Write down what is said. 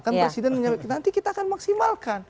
kan presiden menyampaikan nanti kita akan maksimalkan